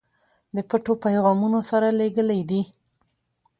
د پټو پیغامونو سره لېږلی دي.